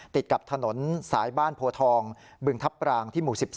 ติดกับถนนสายบ้านโพทองบึงทัพปรางที่หมู่๑๒